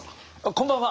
こんばんは。